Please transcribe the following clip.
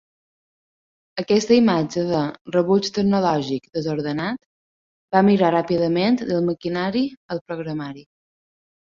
Aquesta imatge de "rebuig tecnològic desordenat" va migrar ràpidament del maquinari al programari.